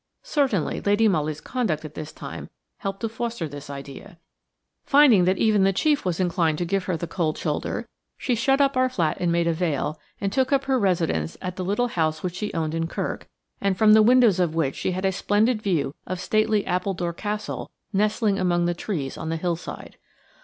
Certainly Lady Molly's conduct at this time helped to foster this idea. Finding that even the chief was inclined to give her the cold shoulder, she shut up our flat in Maida Vale and took up her residence at the little house which she owned in Kirk, and from the windows of which she had a splendid view of stately Appledore Castle nestling among the trees on the hillside.